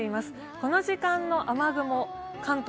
この時間の雨雲、関東